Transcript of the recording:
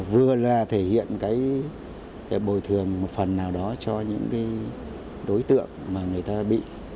vừa là thể hiện cái bồi thường một phần nào đó cho những đối tượng mà người ta bị